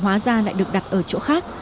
hóa ra lại được đặt ở chỗ khác